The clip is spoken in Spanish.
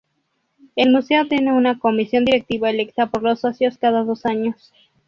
El museo tiene una Comisión Directiva electa por los socios cada dos años.